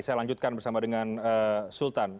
saya lanjutkan bersama dengan sultan